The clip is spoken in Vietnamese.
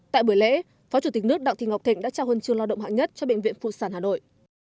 tại buổi lễ phó chủ tịch nước đặng thị ngọc thịnh đã trao huân chương lao động hạng nhất cho bệnh viện phụ sản hà nội